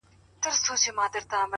• نه دعا یې له عذابه سي ژغورلای,